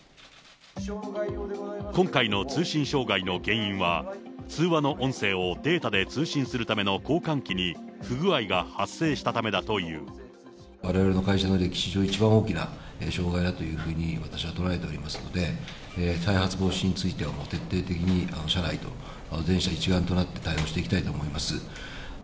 今回の通信障害の原因は、通話の音声をデータで通信するための交換機に不具合が発生したたわれわれの会社の歴史上、一番大きな障害だというふうに私は捉えておりますので、再発防止については徹底的に社内と、全社一丸となって対応していきたいと思います。